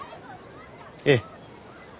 ええ。